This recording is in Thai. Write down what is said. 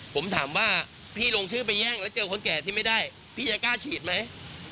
ผมถามว่าพี่ลงชื่อไปแย่งแล้วเจอคนแก่ที่ไม่ได้พี่จะกล้าฉีดไหม